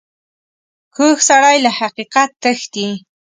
کوږ سړی له حقیقت تښتي